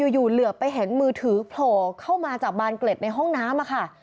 เหลือไปเห็นมือถือโผล่เข้ามาจากบานเกล็ดในห้องน้ำค่ะ